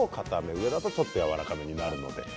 上だとちょっと食感がやわらかめになる。